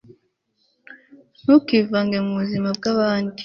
ntukivange mubuzima bwabandi